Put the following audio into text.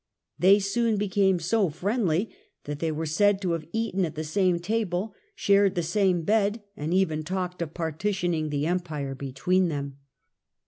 They soon became so friendly that they are said to have eaten at the same table, shared the same bed and even talked of partitioning the Empire between them.